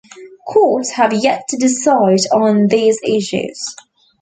Courts have yet to decide on these issues.